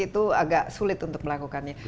itu agak sulit untuk melakukannya